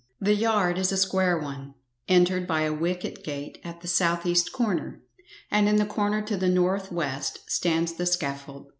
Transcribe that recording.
The yard is a square one, entered by a wicket gate at the south east corner, and in the corner to the north west stands the scaffold.